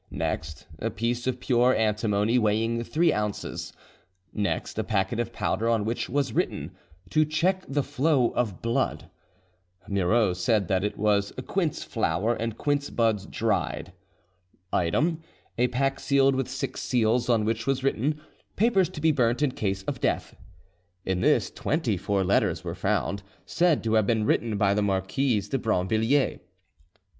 "Next, a piece of pure antimony weighing three ounces. "Next, a packet of powder on which was written: 'To check the flow of blood.' Moreau said that it was quince flower and quince buds dried. "Item, a pack sealed with six seals, on which was written, 'Papers to be burnt in case of death.' In this twenty four letters were found, said to have been written by the Marquise de Brinvilliers.